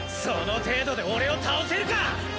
その程度で俺を倒せるか！